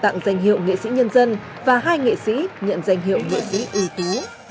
tặng danh hiệu nghệ sĩ nhân dân và hai nghệ sĩ nhận danh hiệu nghệ sĩ ưu tú